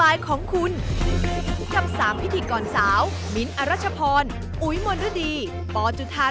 ตั้งแต่ตั้งแต่๑๙โมงเป็นต้นไป